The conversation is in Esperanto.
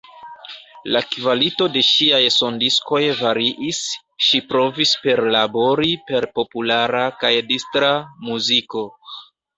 La kvalito de ŝiaj sondiskoj variis; ŝi provis perlabori per populara kaj distra muziko.